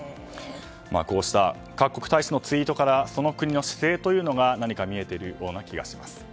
こうした各国大使のツイートからその国の姿勢が見えているような気がします。